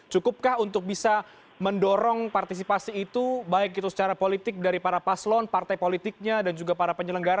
cukupkah untuk bisa mendorong partisipasi itu baik itu secara politik dari para paslon partai politiknya dan juga para penyelenggara